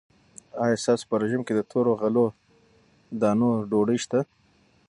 آیا ستاسو په رژیم کې د تورو غلو دانو ډوډۍ شته؟